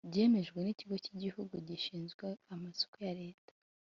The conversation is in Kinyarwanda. byemejwe n ikigo cy igihugu gishinzwe amasoko ya leta